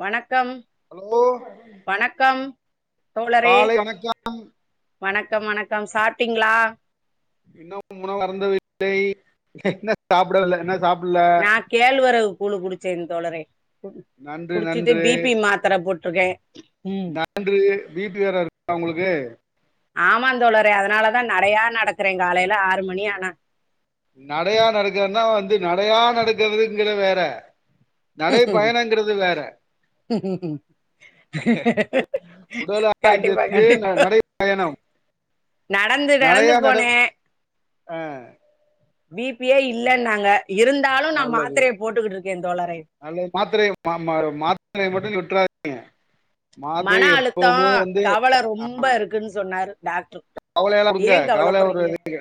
வணக்கம் ஹலோ வணக்கம் தோழரே காலை வணக்கம் வணக்கம் வணக்கம் சாப்ட்டீங்களா இன்னு உணவருந்தவில்லை இன்னு சாப்புடல்ல இன்னு சாப்புல்ல கேழ்வரவு கூழு குடிச்சே தோழரே நன்று குடிச்சிட்டு நன்று பி பி மாத்திர போட்ருக்கே ம் [unintelligible] ஒங்களுக்கு ஆமாந் தோழரே அதனாலதா நடையா நடக்குறே காலைல ஆறு மணி ஆனா நடயா நடக்குறனா வந்து நடயா நடக்குறதுங்குற வேற நடை பயணங்கிறது வேற உடல் கண்டிப்பா ஆரோக்கியத்துக்கு ந- கண்டிப்பா நடை பயணம் நடந்து நடந்து நடையா நட போனே அஹ், பி பி ஏ இல்ல நாங்க இருந்தாலு நா நல்லது மாத்திரைய போட்டுகிட்டு இருக்கே தோழரே நல்லது மாத்திரையு மா மா மாத்திரைய மட்டு நி விட்டுறாதீங்க மன அழுத்தோ வந்து கவல ரொம்ப இருக்குன் சொன்னாரு டாக்ட்ரு கவலையெல்லா விடுங்க கவலையா ஒரு இதுங்க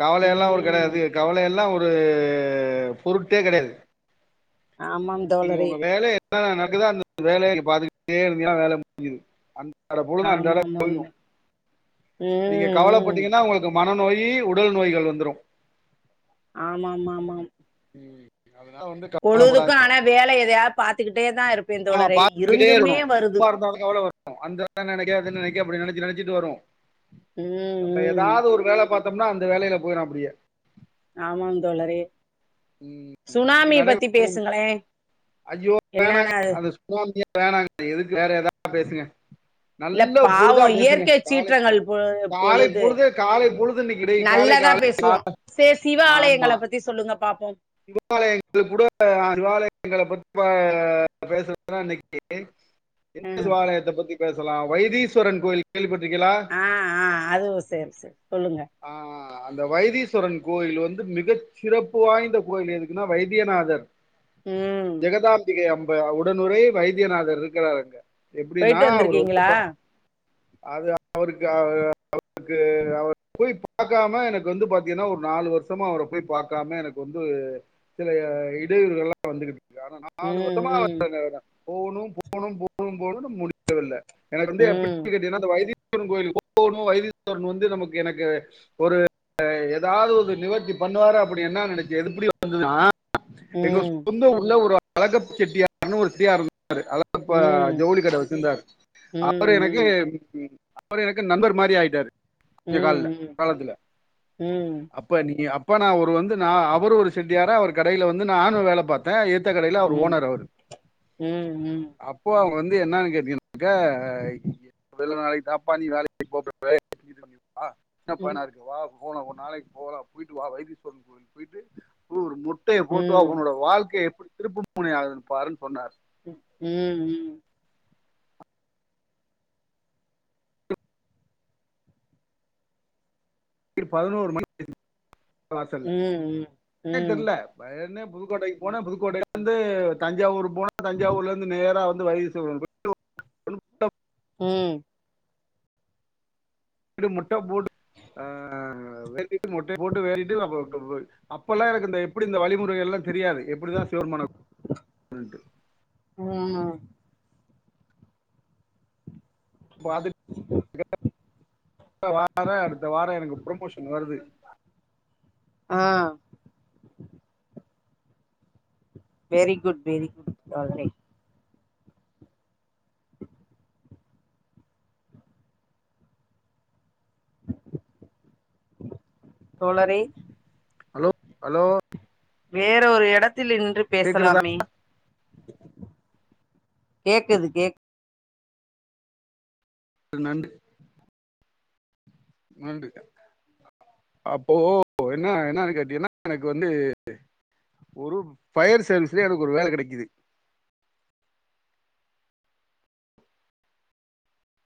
கவல எல்லா ஒரு ம் கடயாது கவலையெல்லா ஒரு பொருட்டே கெடையாது ஆமாம் நீங்க தோழரே உங்க வேலைய [unintelligible] நேரத்துல அந்த வேலய பாத்துக்கிட்டே இருந்தியனா வேல முடிஞ்சுது அன்றாட பொழுதோ அன்றாட ஆமாமாம் போயிரோ ம் நீங்க ம் கவலப்பட்டீங்கன்னா உங்களுக்கு மனநோயி உடல் நோய்கள் வந்துரு ஆமாம் ஆமாம் ம் அதுனா வந்து பொழுதுக்கு கவலைப்படாதீங்க ஆனா வேல எதையா பாத்துக்கிட்டே தா இருப் ஆ பாத்துக்கிட்டே இருக்கணு சும்மா இருந்தாலு கவல வரு அந்தந்த நெனைக்க அத நெனைக்க அப்டி நெனச்சு நெனச்சிட்டு வரு ம் கவ்லையே ம் ஏதாது ஒரு வேல பாத்தோம்னா அந்த வேலையில போயிரோ அப்டியே ஆமாம் தோழரே ம், சுனாமி இன்னைக்கு நடை பத்தி பேசுங்களே ஐயோ என்னன்ன அது அந்த சுனாமியே வேணாங்க எதுக்கு வேற ஏதா பேசுங்க இல்ல நல்ல பாவோ பொழுதா பேசுங்க இயற்கை காலை சீற்றங்கள் பொ காலை பொழுது காலை பொழுது இன்னைக்கு இடை காலை நல்லதா காலை பேசு வோ சே சிவ ஆலயங்கள பத்தி சொல்லுங்க பாப்போ சிவ ஆலயங்கள் கூட சிவ ஆலயங்கள பத்தி பேசுறதுன்னா இன்னைக்கு எந்த ம் சிவாலயத்த பத்தி பேசலா வைதீஸ்வரன் கோயில் கேள்விப்பட்ருக்கியலா ஆ ஆ அதுவு சேரி சேரி சொல்லுங்க ஆ அந்த வைதீஸ்வரன் கோயில் வந்து மிக சிறப்பு வாய்ந்த கோயில் எதுக்குன்னா வைத்தியநாதர் ம் ஜெகதாம்பிகை அம் ப உடனுறைய வைத்தியநாதர் இருக்கிறாரு அங்க எப்டின்னா போயிட்டு அவர் ரொம்ப வந்திருக்கீங்களா பா அது அவருக்கு அவ ருக்கு அவர போய் பாக்காம எனக்கு வந்து பாத்தீங்கன்னா ஒரு நாலு வருஷமா அவர போய் பாக்காம எனக்கு வந் பது சில இடையூறுகள்லா வந்துகிட்டு இருக்கு ஆனா நாலு ம் வருஷமா வந்துரு இருக்குற போணு போணு போணு போணுனு முடிறதுல்ல எனக்கு வந்து ம் எப்டி கேட்டீன்னா அந்த வைதீ சிவன் கோயிலுக்கு போனோ வைதீஸ்வரன் வந்து நமக்கு எனக்கு ஒரு ஏதாது ஒரு நிவர்த்தி பண்ணுவாரு அப்டி என்ன நென எப்டி வந்ததுனா ம் எங்க ம் சொந்த ஊர்ல ஒரு அழகப்ப செட்டியார்னு ஒரு செட்டியார் இருந்தாரு அவ இப்ப ம் ஜவுளி கட வெச்சிருந்தாரு ம் அவரு எனக்கு ம் அவர் எனக்கு நண்பர் மாரி ஆயிட்டாரு கொஞ்ச கால்ல ம் காலத்துல ம் அப் ப நீ அப்ப நா அவரு வந்து அவரு ஒரு செட்டியாரா அவர் கடைல வந்து நானு வேல பாத் தே எத்த கடையில ம் அவர் ம் ஓனரு அவரு ம் அப் போ அவங்க வந்து என்னன்னு கேட்டீங்கனாக்க வெள்ள நாளைக்கு தாப்பா நீ வேலைக்கு போபோற [inaudible] என்ன ம் பயனா இருக்கு வா போலா ஒரு நாளைக்கு போலா போய்ட்டு வா வைத்தீஸ்வரன் கோயிலுக்கு போய்ட்டு ஒரு முட்டைய போட்டுவா ம் ஒன்னோட வாழ்க்க எப்டி திருப்பு முணயா ஆகுதுன்னு பாருன்னு சொன்னார் ம் ம் பதினோரு மணி ம் வாசல்ல ன ம் தெரல பயனே புதுக்கோட்டைக்கு போனே புதுக்கோட்டையிலே இருந்து தஞ்சாவூர் போன தஞ்சாவூர்ல இருந்து நேரா வந்து வைதி ஸ்வரன்கோயி ம் இது முட்ட போடு ஆ அ வதக்கிட்டு முட்டைய போட்டு [inaudible] அப்பற [unintelligible] அப்பெல்லா எனக்கு இந்த எப்டி இந்த வழிமுறையெல்லா தெரியாது எப்டிதா சேர்மானால் ம் [inaudible] வார அடுத்த வார எனக்கு ப்ரொமோஷன் வருது ஆ very good very good alright தோழரே ஹலோ அலோ வேறொரு எடத்தில் நின்று கேக்குறதா பேசலாமே கேக்குது கேக் அ நன்றி நன்றி அப்போ என்ன என்னன் கேட்டீங்கனா எனக்கு வந்து ஒரு ஃபயர் சர்வீஸ்ல எனக்கு ஒரு வேல கெடைக்குது